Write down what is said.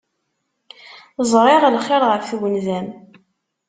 Ẓriɣ lxir ɣef twenza-m.